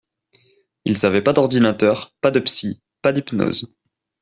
Ils avaient pas d’ordinateurs, pas de psy, pas d’hypnose.